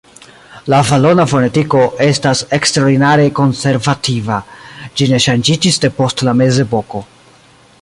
La valona fonetiko estas eksterordinare konservativa: ĝi ne ŝanĝiĝis depost la Mezepoko.